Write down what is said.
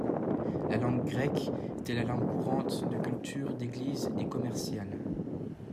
La langue grecque était langue courante, de culture, d'Eglise et commerciale.